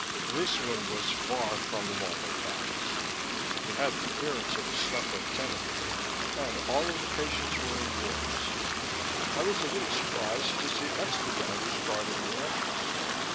This one was far from a marble palace. It had the appearance of a stucco tenement, and all of the patients were in wards. I was a little surprised to see expediters guarding the entrance.